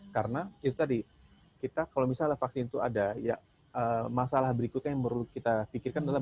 karena kalau misalnya vaksin itu ada masalah berikutnya yang perlu kita pikirkan adalah